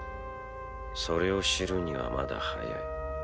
それを知るにはまだ早い。